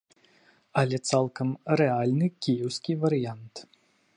Але цалкам рэальны кіеўскі варыянт.